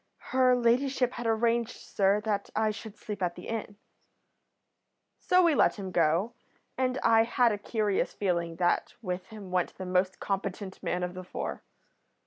'Her ladyship had arranged, sir, that I should sleep at the inn.' "So we let him go, and I had a curious feeling that with him went the most competent man of the four.